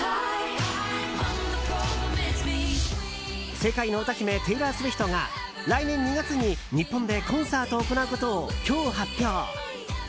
世界の歌姫テイラー・スウィフトが来年２月に日本でコンサートを行うことを今日、発表。